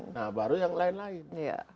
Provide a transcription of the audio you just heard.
nah baru yang lain lain